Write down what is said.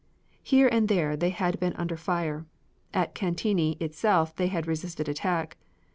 Here and there they had been under fire. At Cantigny itself they had resisted attack.